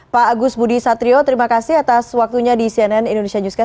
pak agus budi satrio terima kasih atas waktunya di cnn indonesia newscast